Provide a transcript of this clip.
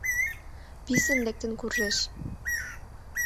Писын лектын куржеш.